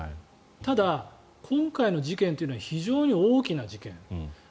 ただ今回の事件というのは非常に大きな事件。